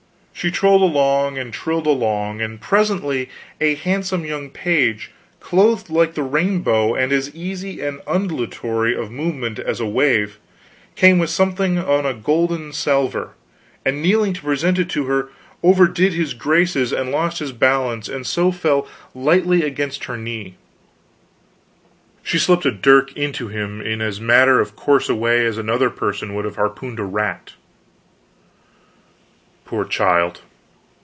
She trilled along, and trilled along, and presently a handsome young page, clothed like the rainbow, and as easy and undulatory of movement as a wave, came with something on a golden salver, and, kneeling to present it to her, overdid his graces and lost his balance, and so fell lightly against her knee. She slipped a dirk into him in as matter of course a way as another person would have harpooned a rat! Poor child!